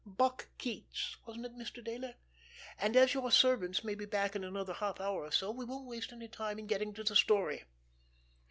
"Buck Keats, wasn't it, Mr. Dayler? And, as your servants may be back in another half hour or so, we won't waste any time in getting to the story.